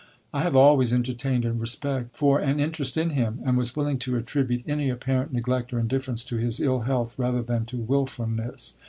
I have always entertained a respect for and interest in him, and was willing to attribute any apparent neglect or indifference to his ill health rather than to wilfulness.